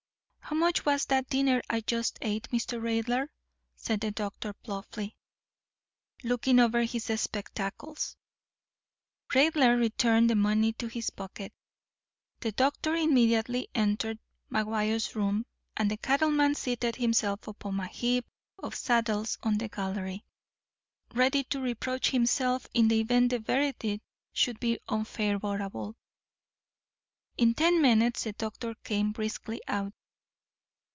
"How much was that dinner I just ate, Mr. Raidler?" said the doctor bluffly, looking over his spectacles. Raidler returned the money to his pocket. The doctor immediately entered McGuire's room, and the cattleman seated himself upon a heap of saddles on the gallery, ready to reproach himself in the event the verdict should be unfavourable. In ten minutes the doctor came briskly out.